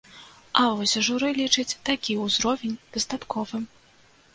А вось журы лічыць такі ўзровень дастатковым.